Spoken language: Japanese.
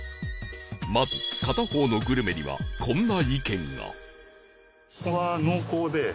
まず片方のグルメにはこんな意見が